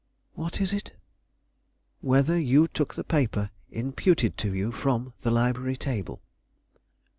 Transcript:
"What is it?" she asked. "Whether you took the paper imputed to you from the library table?"